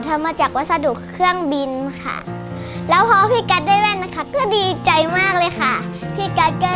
ได้ใช้เนี่ยให้แม่